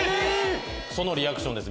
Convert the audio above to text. そのリアクションです